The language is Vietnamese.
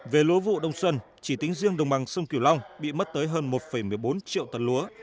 về lúa vụ đông xuân chỉ tính riêng đồng bằng sông kiều long bị mất tới hơn một một mươi bốn triệu tấn lúa